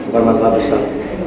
bukan mampu habis lah